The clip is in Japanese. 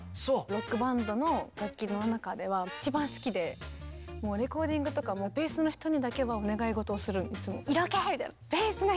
ロックバンドの楽器の中では一番好きでレコーディングとかもベースの人にだけはお願い事をするいつも。